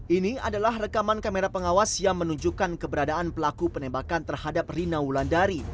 ini adalah rekaman kamera pengawas yang menunjukkan keberadaan pelaku penembakan terhadap rina wulandari